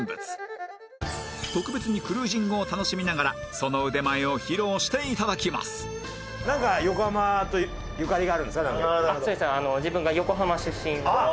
特別にクルージングを楽しみながらその腕前を披露して頂きますなんかああ！